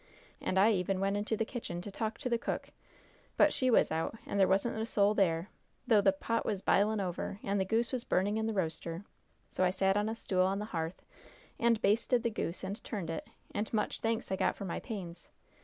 And I even went into the kitchen, to talk to the cook, but she was out, and there wasn't a soul there, though the pot was b'ilin' over, and the goose was burning in the roaster. So I sat down on a stool on the hearth, and basted the goose and turned it, and much thanks I got for my pains.